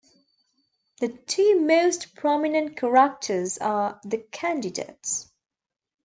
The two most prominent characters are "The Candidates".